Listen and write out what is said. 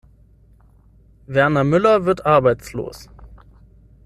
Werner Müller wird arbeitslos.